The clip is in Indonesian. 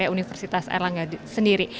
universitas erlangga sendiri